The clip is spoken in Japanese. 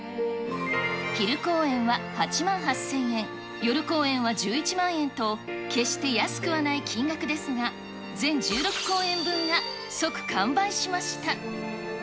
昼公演は８万８０００円、夜公演は１１万円と、決して安くはない金額ですが、全１６公演分が即完売しました。